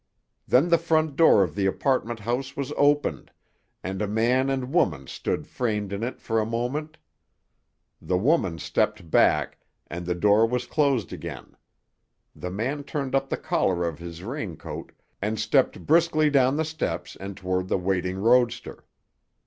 Then the front door of the apartment house was opened, and a man and woman stood framed in it for a moment. The woman stepped back, and the door was closed again; the man turned up the collar of his raincoat and stepped briskly down the steps and toward the waiting roadster.